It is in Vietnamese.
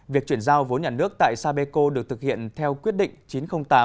việc chuyển giao vốn nhà nước tại sapeco được thực hiện theo quyết định chín trăm linh tám